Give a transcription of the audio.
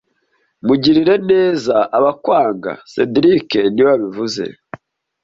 Mugirire neza abakwanga cedric niwe wabivuze